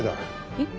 えっ？